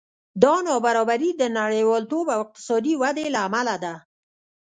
دا نابرابري د نړیوالتوب او اقتصادي ودې له امله ده